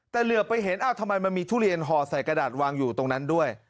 แต่เหลือไปเห็นทำไมมันมีทุเรียนห่อใส่กระดาษวางอยู่ตรงนั้นด้วย